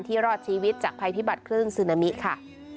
รอดชีวิตจากภัยพิบัตรคลื่นซึนามิค่ะ